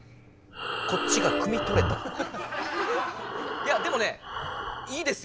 いやでもねいいですよ。